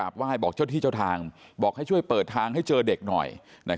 บอกที่เจ้าทางเจอเด็กหน่อย